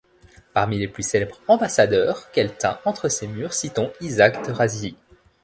Parmi les plus célèbres ambassadeurs qu'elle tint entre ses murs citons Isaac de Razilly.